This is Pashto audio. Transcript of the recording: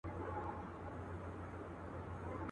چي هر وخت سیلۍ نامردي ورانوي آباد کورونه.